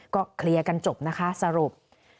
ก็เคลียร์กันจบนะคะสรุป